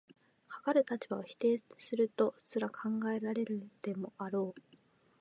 かかる立場を否定するとすら考えられるでもあろう。